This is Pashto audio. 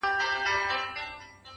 چي سمسور افغانستان لیدلای نه سي,